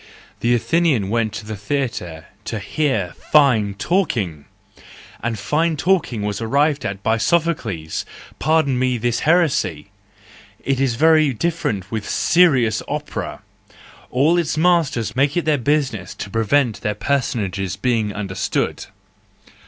The Athenian went to the theatre to hear fine talking ! And fine talking was arrived at by Sophocles!— pardon me this heresy!—It is very different with serious opera: all its masters make it their business to prevent their personages being understood.